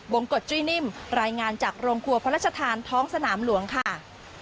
งกฎจุ้ยนิ่มรายงานจากโรงครัวพระราชทานท้องสนามหลวงค่ะ